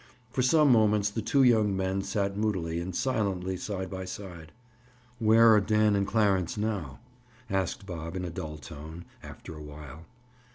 For some moments the two young men sat moodily and silently side by side. "Where are Dan and Clarence now?" asked Bob in a dull tone, after a while.